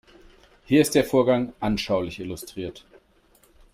Hier ist der Vorgang anschaulich illustriert.